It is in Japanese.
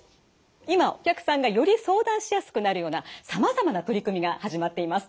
今お客さんがより相談しやすくなるようなさまざまな取り組みが始まっています。